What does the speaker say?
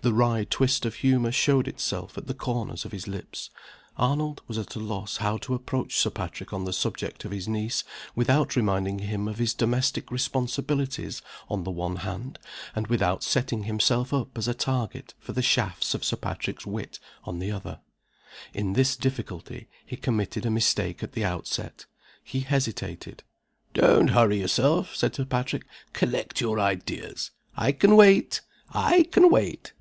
The wry twist of humor showed itself at the corners of his lips. Arnold was at a loss how to approach Sir Patrick on the subject of his niece without reminding him of his domestic responsibilities on the one hand, and without setting himself up as a target for the shafts of Sir Patrick's wit on the other. In this difficulty, he committed a mistake at the outset. He hesitated. "Don't hurry yourself," said Sir Patrick. "Collect your ideas. I can wait! I can wait!"